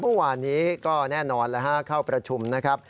เมื่อวานนี้ก็แน่นอนแล้วฮะเข้าประชุมนะครับ